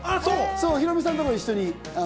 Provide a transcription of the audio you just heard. ヒロミさんとかと一緒に。